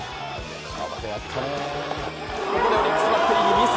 ここでオリックスバッテリーにミス。